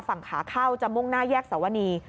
ฝั่งขาเข้าจะมุ่งหน้าแยกสวนี